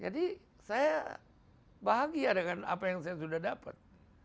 jadi saya bahagia dengan apa yang saya sudah dapat